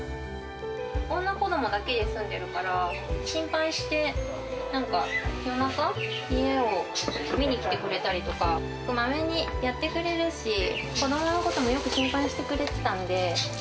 女、子どもだけで住んでるから、心配して、なんか夜中、家を見に来てくれたりとか、まめにやってくれるし、子どものこともよく心配してくれてたんで。